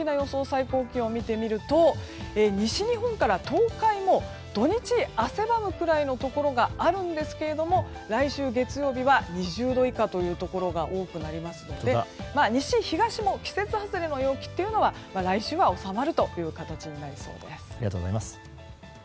最高気温を見てみると、西日本から東海も土日、汗ばむくらいのところがあるんですけれども来週月曜日は２０度以下というところが多くなりますので西、東も季節外れの陽気は来週は収まるという形になりそうです。